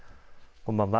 こんばんは。